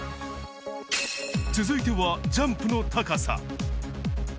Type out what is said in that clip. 続いてはジャンプの高さ。